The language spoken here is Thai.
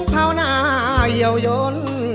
เข้าหน้าเหี่ยวยน